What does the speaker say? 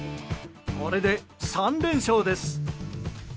これで３連勝です。